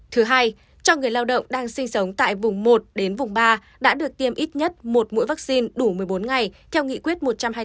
thứ hai cho người lao động đang sinh sống tại vùng một đến vùng ba đã được tiêm ít nhất một mũi vaccine đủ một mươi bốn ngày theo nghị quyết một trăm hai mươi bốn